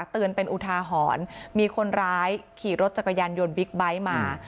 เตือนเป็นอุทาหรณ์มีคนร้ายขี่รถจักรยานยนต์บิ๊กไบท์มา